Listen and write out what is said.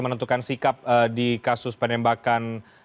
menentukan sikap di kasus penembakan